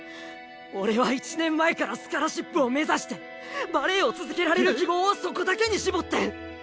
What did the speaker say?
俺は１年前からスカラシップを目指してバレエを続けられる希望をそこだけに絞って。